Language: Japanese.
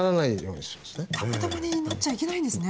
だまだまになっちゃいけないんですね。